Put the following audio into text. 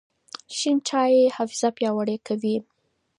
شین چای حافظه پیاوړې کوي.